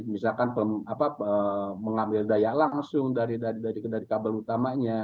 misalkan mengambil daya langsung dari kabel utamanya